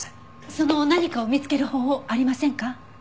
その「何か」を見つける方法ありませんか？